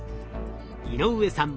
井上さん